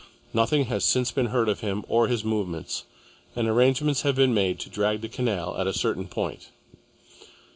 Nothing has since been heard of him or his movements, and arrangements have been made to drag the canal at a certain point.